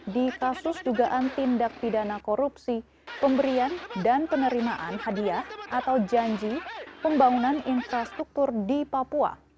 di kasus dugaan tindak pidana korupsi pemberian dan penerimaan hadiah atau janji pembangunan infrastruktur di papua